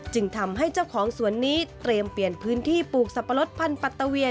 จึงทำให้เจ้าของสวนนี้เตรียมเปลี่ยนพื้นที่ปลูกสับปะรดพันธุ์ปัตตะเวียน